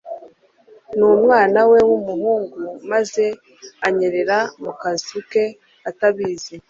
n'umwana we w'umuhungu, maze anyerera mu kazu ke atabizi